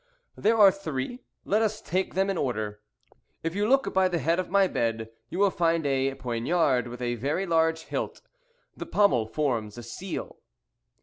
"There are three. Let us take them in order. If you look by the head of my bed you will find a poignard with a very large hilt the pommel forms a seal."